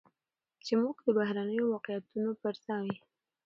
چې موږ د بهرنيو واقعيتونو پرځاى